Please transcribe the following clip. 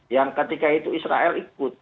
yang ketika itu israel ikut